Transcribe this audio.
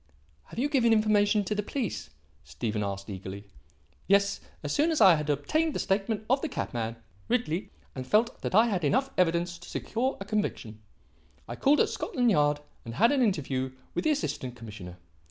"Have you given information to the police?" Stephen asked eagerly. "Yes. As soon as I had obtained the statement of the cabman, Ridley, and felt that I had enough evidence to secure a conviction, I called at Scotland Yard and had an interview with the Assistant Commissioner.